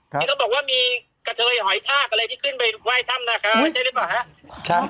เขาบอกว่ามีกระถอยหอยทากอะไรที่ขึ้นไปไหว้ชั้มนะคะ